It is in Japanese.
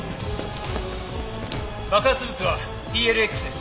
爆発物はＰＬＸです！